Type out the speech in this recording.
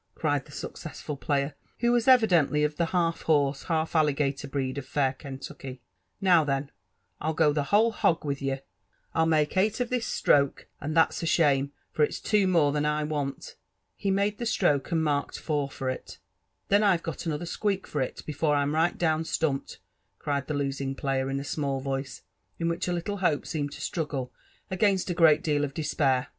eried the sueoesafti^ player, who waa evidently of tlie half horse, half alligator breed of fair Kentucky s "now, then, Fll go the whole hog with ye — I'll ihake eight of due atroke, — and that's a ahanie, for ifs two more than 1 want.*^ He made the stroke, and marked four for it. Then I've got another squeak for it, before Tm right ilowB stump*! ed," erted'the losing player,, in a small voice, in which « IfUle hopt seemed to struggle against a great deal of despair.